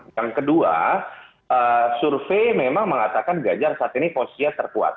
yang kedua survei memang mengatakan ganjar saat ini posisinya terkuat